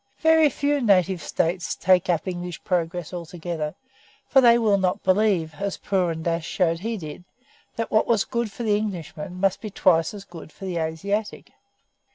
Very few native States take up English progress altogether, for they will not believe, as Purun Dass showed he did, that what was good for the Englishman must be twice as good for the Asiatic.